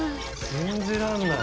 信じられない。